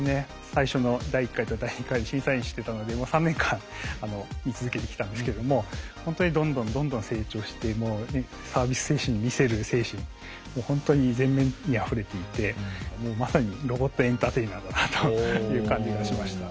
最初の第１回と第２回審査員してたので３年間見続けてきたんですけどもほんとにどんどんどんどん成長してサービス精神見せる精神ほんとに全面にあふれていてもうまさにロボットエンターテイナーだなという感じがしました。